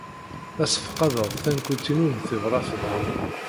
La ssefqadeɣ tankult-inu n tebṛatin.